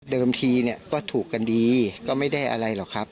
ทีเนี่ยก็ถูกกันดีก็ไม่ได้อะไรหรอกครับ